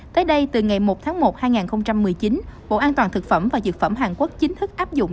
tới đây từ ngày một tháng một hai nghìn một mươi chín bộ an toàn thực phẩm và dược phẩm hàn quốc chính thức áp dụng